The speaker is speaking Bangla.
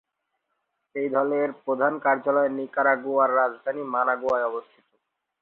এই দলের প্রধান কার্যালয় নিকারাগুয়ার রাজধানী মানাগুয়ায় অবস্থিত।